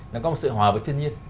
nó có một sự hòa với thiên nhiên